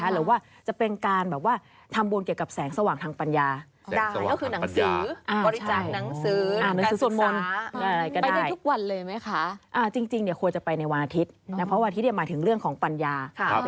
หรือว่าจะเป็นการแบบว่าทำบุญเกี่ยวกับแสงสว่างทางปัญญา